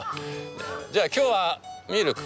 じゃあ今日はミルク。